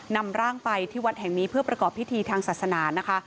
นำร่างไปที่วัดแห่งนี้เพื่อประกอบพิธีทางศาสนานะคะ